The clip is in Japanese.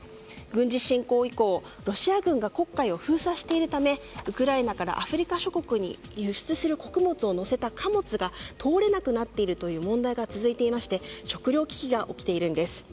軍事侵攻以降、ロシア軍が黒海を封鎖しているためウクライナからアフリカ諸国に輸出する穀物を乗せた貨物が通れなくなっているという問題が続いていまして食糧危機が起きているんです。